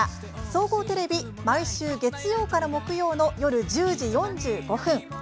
総合テレビ、毎週月曜から木曜の夜１０時４５分。